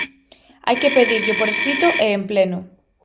Hai que pedirllo por escrito e en pleno.